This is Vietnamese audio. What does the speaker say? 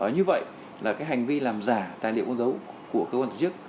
như vậy là cái hành vi làm giả tài liệu quân giấu của cơ quan tổ chức